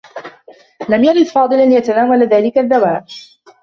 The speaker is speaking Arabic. لم يرد فاضل أن يتناول ذاك الدّواء.